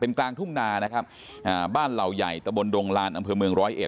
เป็นกลางทุ่มนานะครับบ้านเหล่าใหญ่ตะบลดงลานอำเภอเมือง๑๐๑